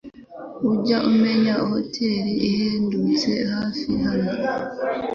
Ujya umenya hoteri ihendutse hafi hano?